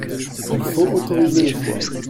Il faut autoriser le choix.